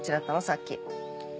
さっき。